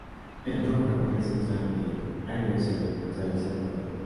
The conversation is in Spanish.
El antiguo Ferrocarril Central de Anglesey atraviesa el pueblo.